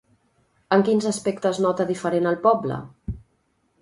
En quins aspectes nota diferent el poble?